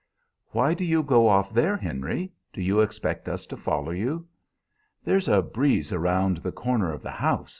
"Why do you go off there, Henry? Do you expect us to follow you?" "There's a breeze around the corner of the house!"